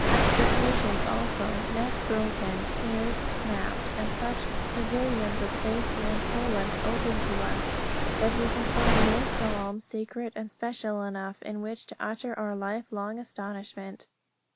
Extrications also; nets broken, snares snapped, and such pavilions of safety and solace opened to us that we can find no psalm secret and special enough in which to utter our life long astonishment.